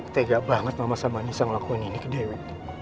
tega banget mama sama nisa ngelakuin ini ke dewi